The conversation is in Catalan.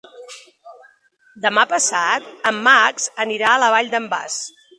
Demà passat en Max anirà a la Vall d'en Bas.